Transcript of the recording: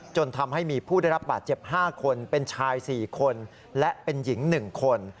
จนทำให้มีผู้ได้รับบาดเจ็บ๕คนเป็นชาย๔คนและเป็นหญิง๑คน